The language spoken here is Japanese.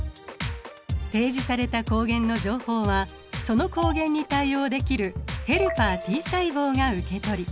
提示された抗原の情報はその抗原に対応できるヘルパーＴ細胞が受け取り